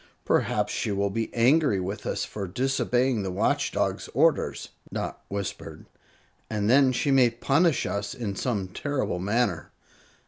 "Perhaps she will be angry with us for disobeying the Watch Dog's orders," Dot whispered; "and then she may punish us in some terrible manner."